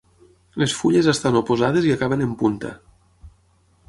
Les fulles estan oposades i acaben en punta.